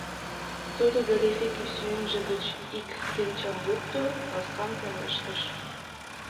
Тудо галифе кӱсенже гыч ик кленчам лукто, ласкан пелештыш: